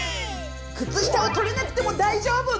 靴下をとれなくても大丈夫！